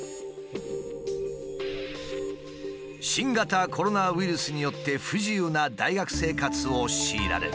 新型コロナウイルスによって不自由な大学生活を強いられた。